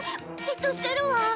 じっとしてるわ！